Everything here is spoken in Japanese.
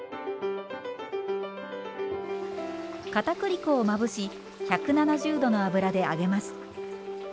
かたくり粉をまぶし１７０℃の油で揚げます。